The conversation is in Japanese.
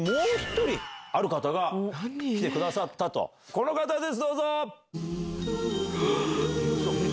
この方ですどうぞ！